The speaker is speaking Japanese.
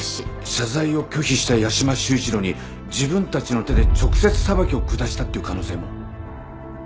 謝罪を拒否した屋島修一郎に自分たちの手で直接裁きを下したっていう可能性も。